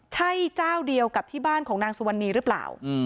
ใช่เจ้าเดียวกับที่บ้านของนางสุวรรณีหรือเปล่า